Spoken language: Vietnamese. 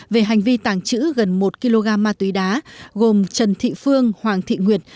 về hành vi tàng trữ gần một kg ma túy đá gồm trần thị phương hoàng thị nguyệt